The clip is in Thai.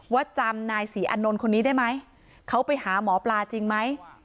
จำนายศรีอานนท์คนนี้ได้ไหมเขาไปหาหมอปลาจริงไหม